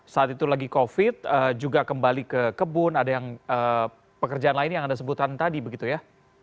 saat itu lagi covid juga kembali ke kebun ada yang pekerjaan lain yang anda sebutkan tadi begitu ya